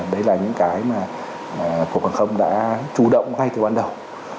đấy là những cái mà cục hàng không đã chủ động ngay từ ban đầu